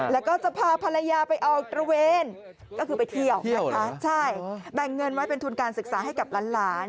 แล้วก็จะพาภรรยาไปออกตระเวนก็คือไปเที่ยวนะคะใช่แบ่งเงินไว้เป็นทุนการศึกษาให้กับหลาน